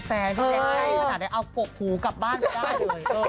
ที่แกใกล้ขนาดนั้นเอากกหูกลับบ้านก็ได้เลย